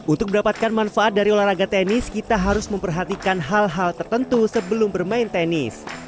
untuk mendapatkan manfaat dari olahraga tenis kita harus memperhatikan hal hal tertentu sebelum bermain tenis